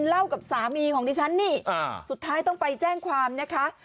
เล่ากับสามีของดิฉันนี่สุดท้ายต้องไปแจ้งความนะคะ